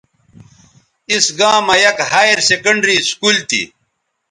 اِس گاں مہ یک ہائیر سیکنڈری سکول تھی